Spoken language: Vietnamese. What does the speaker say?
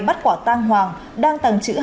bắt quả tăng hoàng đang tàng trữ